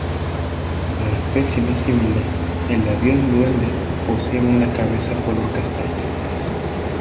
La especie más similar, el avión duende, posee una cabeza color castaño.